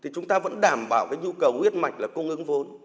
chúng ta vẫn đảm bảo nhu cầu huyết mạch là cung ứng vốn